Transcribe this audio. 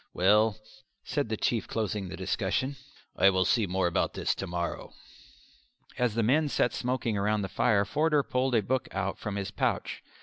"Well," said the Chief, closing the discussion, "I will see more about this to morrow." As the men sat smoking round the fire Forder pulled a book out from his pouch.